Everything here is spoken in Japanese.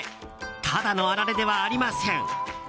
ただのあられではありません！